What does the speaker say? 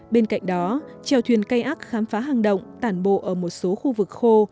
bên cạnh đó trèo thuyền cây ác khám phá hang động tàn bộ ở một số khu vực khô